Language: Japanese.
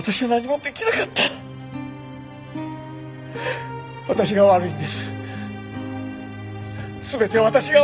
全て私が悪いんです。